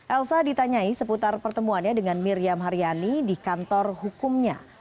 elsa ditanyai seputar pertemuannya dengan miriam haryani di kantor hukumnya